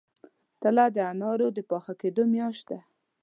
تله د انارو د پاخه کیدو میاشت ده.